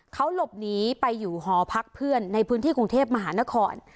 เขาหลบหนีไปอยู่หอพักเพื่อนในพื้นที่กรุงเทพมหานคร